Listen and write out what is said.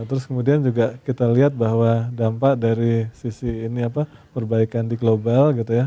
terus kemudian juga kita lihat bahwa dampak dari sisi ini apa perbaikan di global gitu ya